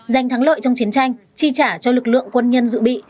giành thắng lợi trong chiến tranh chi trả cho lực lượng quân nhân dự bị